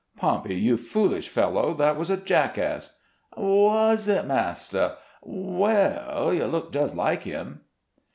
Pompey, you foolish fellow, that was a jackass." "Was it, massa? Well, you look just like him."